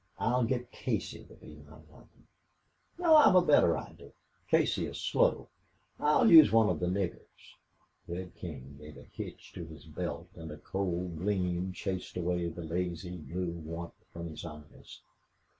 I'll get Casey to be my lineman. No, I've a better idea. Casey is slow, too. I'll use one of the niggers." Red King gave a hitch to his belt and a cold gleam chased away the lazy blue warmth from his eyes.